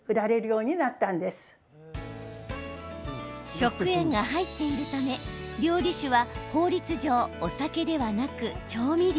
食塩が入っているため料理酒は法律上お酒ではなく調味料。